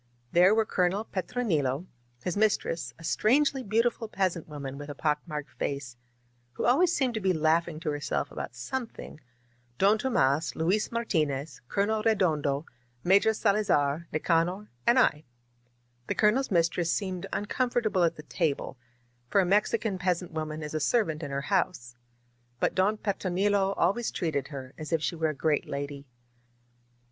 There were Colonel Petronilo, his mistress, a strangely beautiful peasant woman with a pock marked face, who always seemed to be laughing to herself about some thing; Don Tomas, Luis Martinez, Colonel Redondo, Major Salazar, Nicanor, and L The Colonel's mistress seemed uncomfortable at the table ; for a Mexican peas ant woman is a servant in her house. But Don Petro nilo always treated her as if she were a great lady.